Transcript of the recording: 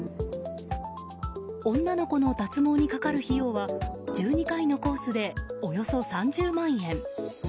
女の子の脱毛にかかる費用は１２回のコースでおよそ３０万円。